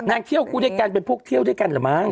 นางเที่ยวเข้าที่แตกกันว่าเป็นพวกเที่ยวที่กันหรอมั้ง